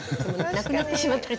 なくなってしまったり。